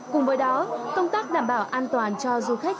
cùng với đó công tác đảm bảo an toàn cho du khách